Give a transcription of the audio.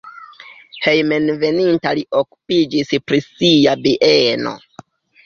Hejmenveninta li okupiĝis pri sia bieno.